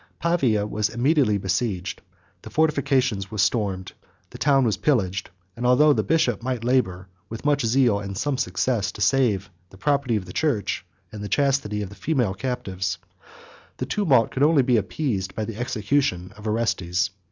Pavia was immediately besieged, the fortifications were stormed, the town was pillaged; and although the bishop might labor, with much zeal and some success, to save the property of the church, and the chastity of female captives, the tumult could only be appeased by the execution of Orestes.